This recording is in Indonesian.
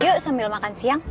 yuk sambil makan siang